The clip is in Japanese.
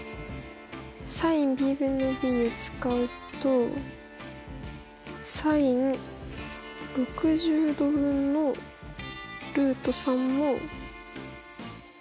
ｓｉｎＢ分のｂを使うとｓｉｎ６０°分のルート３も。